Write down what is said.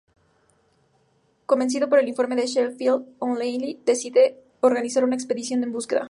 Convencido por el informe de Sheffield, Onelli decide organizar una expedición de búsqueda.